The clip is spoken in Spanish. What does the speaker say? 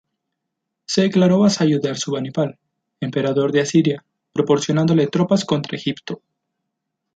Se declaró vasallo de Asurbanipal, emperador de Asiria, proporcionándole tropas contra Egipto.